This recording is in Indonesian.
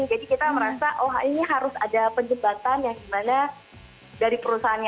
jadi kita merasa oh ini harus ada penyebatan yang gimana dari perusahaannya